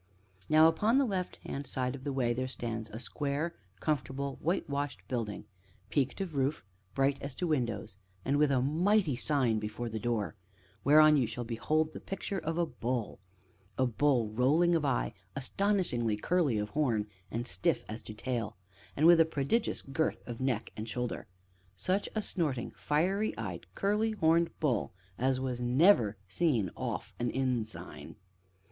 Now, upon the left hand side of the way, there stands a square, comfortable, whitewashed building, peaked of roof, bright as to windows, and with a mighty sign before the door, whereon you shall behold the picture of a bull: a bull rolling of eye, astonishingly curly of horn and stiff as to tail, and with a prodigious girth of neck and shoulder; such a snorting, fiery eyed, curly horned bull as was never seen off an inn sign.